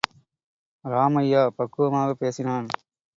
ராமையா, பக்குவமாகப் பேசினான்.